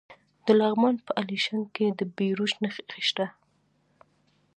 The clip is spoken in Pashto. د لغمان په الیشنګ کې د بیروج نښې شته.